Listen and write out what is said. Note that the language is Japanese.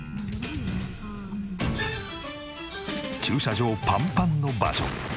駐車場パンパンの場所。